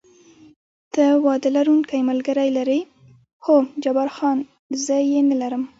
ته واده لرونکی ملګری لرې؟ هو، جبار خان: زه یې نه لرم.